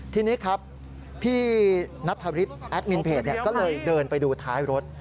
ทีนี้ครับพี่นัทธริสแอดมินเพจก็เลยเดินไปดูท้ายรถ